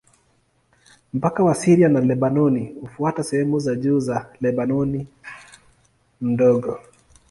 Mpaka wa Syria na Lebanoni hufuata sehemu za juu za Lebanoni Ndogo.